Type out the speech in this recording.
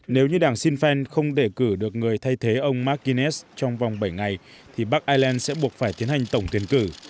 nếu như đảng sinn féin không để cử được người thay thế ông marginet trong vòng bảy ngày thì bắc ireland sẽ buộc phải tiến hành tổng tiến cử